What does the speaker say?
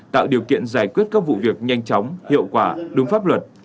tạo điều kiện giải quyết các vụ việc nhanh chóng hiệu quả đúng pháp luật